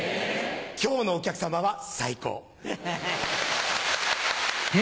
今日のお客さまは最高。